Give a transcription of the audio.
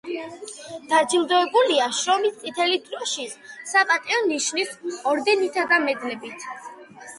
დაჯილდოებულია შრომის წითელი დროშის, „საპატიო ნიშნის“ ორდენითა და მედლებით.